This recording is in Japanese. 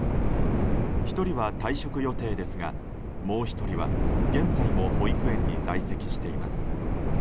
１人は退職予定ですがもう１人は現在も保育園に在籍しています。